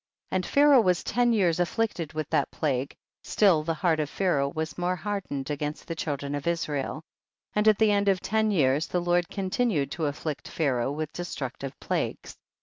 34. And Pharaoh was ten years afflicted with that plague, still the heart of Pharaoh was more hardened against the children of Israel. 35. And at the end of ten years the Lord continued to afflict Pharaoh with destructive plagues.